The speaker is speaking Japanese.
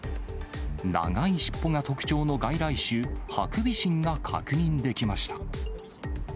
長い尻尾が特徴の外来種、ハクビシンが確認できました。